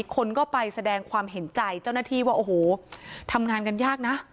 คนก็ไปแสดงความเห็นใจเจ้าหน้าที่ว่าโอ้โหทำงานกันยากนะ